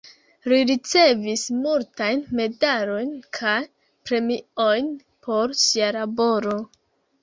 Li ricevis multajn medalojn kaj premiojn por sia laboro.